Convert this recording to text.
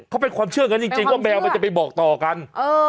เขาเป็นความเชื่อกันจริงว่าแมวมันจะไปบอกต่อกัน